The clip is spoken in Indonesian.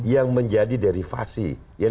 yang menjadi derivasi